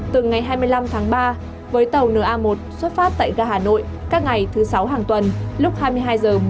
từ ngày hai mươi năm tháng ba với tàu na một xuất phát tại gà hà nội các ngày thứ sáu hàng tuần